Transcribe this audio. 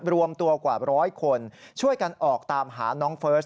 รวมตัวกว่าร้อยคนช่วยกันออกตามหาน้องเฟิร์ส